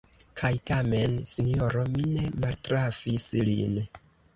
Kaj tamen, sinjoro, mi ne maltrafis lin.